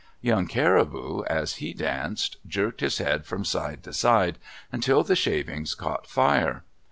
Young Caribou, as he danced, jerked his head from side to side until the shavings caught fire.